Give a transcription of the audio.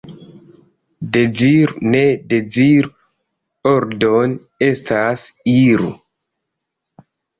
Deziru, ne deziru — ordon' estas, iru!